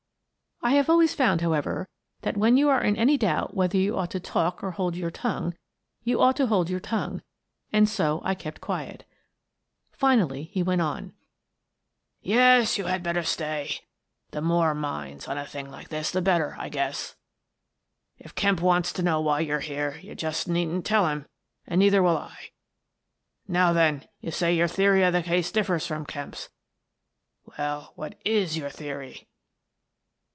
I have always found, however, that, when you are in any doubt whether you ought to talk or hold your tongue, you ought to hold your tongue, and so I kept quiet. Finally, he went on :" Yes, you had better stay. The more minds at a thing like this, the better, I guess. If Kemp wants to know why you're here, you just needn't tell him, and neither will I. Now then, you say your theory of the case differs from Kemp's. Well, what is your theory?"